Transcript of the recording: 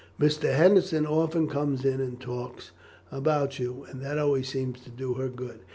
Mr. Henderson often comes in and talks about you, and that always seems to do her good.